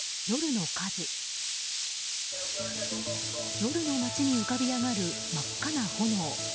夜の町に浮かび上がる真っ赤な炎。